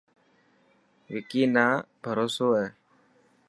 وڪي نا بهروسو هي.